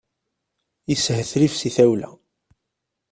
Yeshetrif si tawla.